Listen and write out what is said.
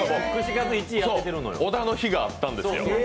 小田の日があったんだよ。